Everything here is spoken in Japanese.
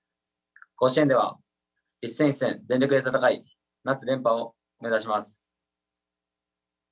甲子園では一戦一戦全力で戦い夏連覇を目指します。